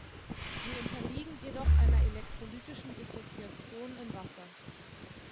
Sie unterliegen jedoch einer elektrolytischen Dissoziation in Wasser.